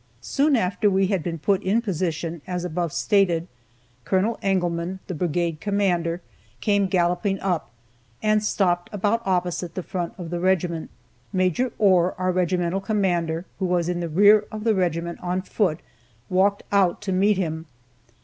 Soon after we had been put in position, as above stated, Col. Engelmann, the brigade commander, came galloping up, and stopped about opposite the front of the regiment. Maj. Ohr, our regimental commander, who was in the rear of the regiment on foot, walked out to meet him.